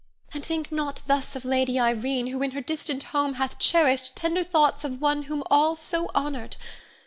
And think not thus of Lady Irene, who in her distant home hath cherished tender thoughts of one whom all so honored.